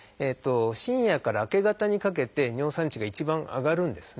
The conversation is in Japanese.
深夜から明け方にかけて尿酸値が一番上がるんですね。